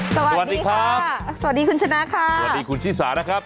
สวัสดีค่ะสวัสดีคุณชนะค่ะสวัสดีคุณชิสานะครับ